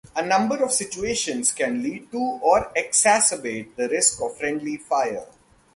A number of situations can lead to or exacerbate the risk of friendly fire.